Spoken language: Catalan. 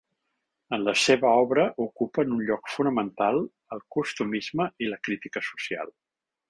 En la seva obra ocupen un lloc fonamental el costumisme i la crítica social.